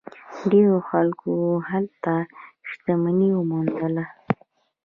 ډیرو خلکو هلته شتمني وموندله.